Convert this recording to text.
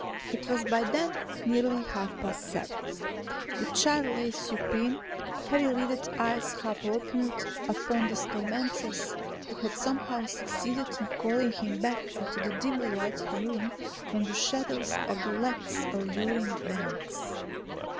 It was by then nearly half past seven. The child lay supine; heavy lidded eyes half opened upon this tormentress who had somehow succeeded in calling him back into the dimly lighted room from the shadows of Lethe's alluring banks.